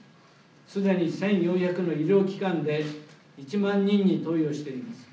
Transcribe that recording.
すでに１４００の医療機関で１万人に投与しています。